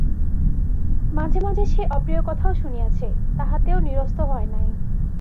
মাঝে মাঝে সে অপ্রিয় কথাও শুনিয়াছে, তাহাতেও নিরস্ত হয় নাই।